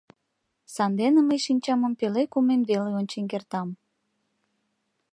Сандене мый шинчамым пеле кумен веле ончен кертам.